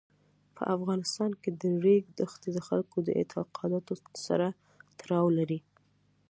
په افغانستان کې د ریګ دښتې د خلکو د اعتقاداتو سره تړاو لري.